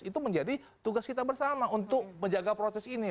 itu menjadi tugas kita bersama untuk menjaga protes ini